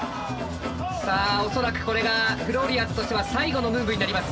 さあ恐らくこれがフローリアーズとしては最後のムーブになります。